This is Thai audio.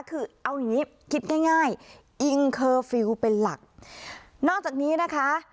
คือเอานี้คิดง่ายง่ายเป็นหลักนอกจากนี้นะคะ